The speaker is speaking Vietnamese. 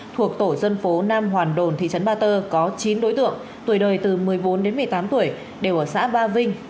thuộc tổ dân phố nam hoàn đồn thị trấn ba tơ có chín đối tượng tuổi đời từ một mươi bốn đến một mươi tám tuổi đều ở xã ba vinh